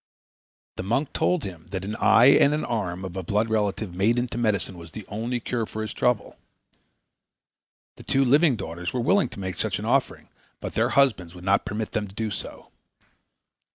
The monk told him that an eye and an arm of a blood relative made into medicine was the only cure for his trouble. The two living daughters were willing to make such an offering, but their husbands would not permit them to do so.